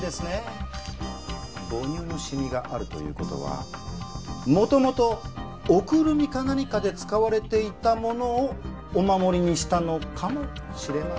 母乳のシミがあるという事は元々おくるみか何かで使われていたものをお守りにしたのかもしれませんねえ。